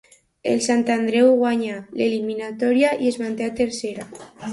El Sant Andreu guanya l'eliminatòria i es manté a Tercera.